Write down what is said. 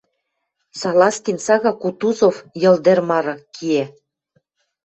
Салазкин сага Кутузов, Йыл тӹр мары, киӓ.